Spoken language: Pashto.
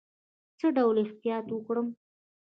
څه ډول احتیاط وکړم؟